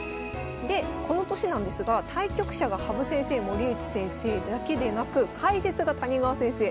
でこの年なんですが対局者が羽生先生森内先生だけでなく解説が谷川先生